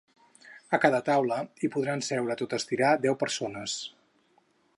A cada taula, hi podran seure, a tot estirar, deu persones.